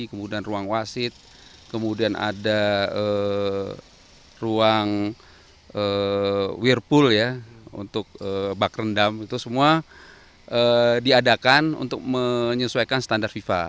kemudian ruang wasit kemudian ada ruang wearpool ya untuk bak rendam itu semua diadakan untuk menyesuaikan standar fifa